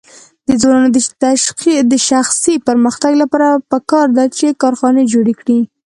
د ځوانانو د شخصي پرمختګ لپاره پکار ده چې کارخانې جوړې کړي.